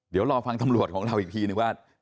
เดี๋ยวรอฟังตำรวจของเราอีกทีนึงว่า